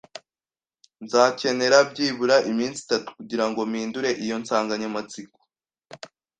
Nzakenera byibura iminsi itatu kugirango mpindure iyo nsanganyamatsiko.